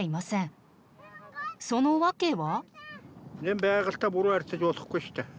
その訳は？